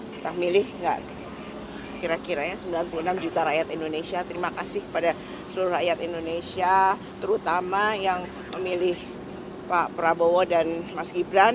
kita milih enggak kira kira ya sembilan puluh enam juta rakyat indonesia terima kasih kepada seluruh rakyat indonesia terutama yang memilih pak prabowo dan mas gibran